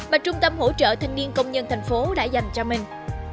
mà trung tâm hỗ trợ thanh niên công nhân thành phố đã dành cho mình